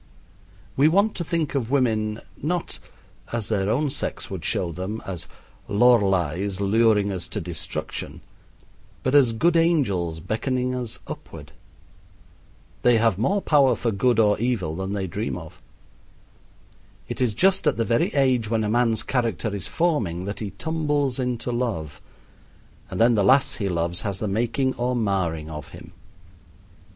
We want to think of women not as their own sex would show them as Lorleis luring us to destruction, but as good angels beckoning us upward. They have more power for good or evil than they dream of. It is just at the very age when a man's character is forming that he tumbles into love, and then the lass he loves has the making or marring of him.